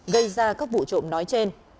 gây ra các vụ trộm nói trên